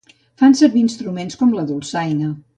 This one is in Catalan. Fan servir instruments com la dolçaina.